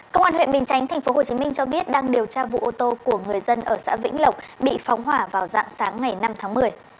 công an huyện bình chánh tp hcm cho biết đang điều tra vụ ô tô của người dân ở xã vĩnh lộc bị phóng hỏa vào dạng sáng ngày năm tháng một mươi